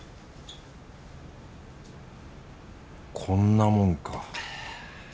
こんなもんか。